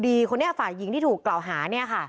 หญิงผ่ายหญิงที่ถูกกล่าวหา